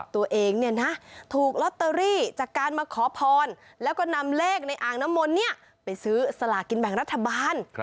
ตัวเองเนี่ยนะถูกลอตเตอรี่จากการมาขอพรแล้วก็นำเลขในอ่างน้ำมนต์ไปซื้อสลากินแบ่งรัฐบาล